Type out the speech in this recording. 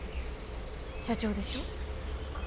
社長でしょ？